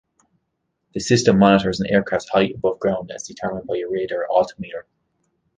The system monitors an aircraft's height above ground as determined by a radar altimeter.